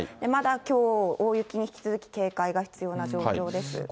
まだ、きょう大雪に引き続き警戒が必要な状況です。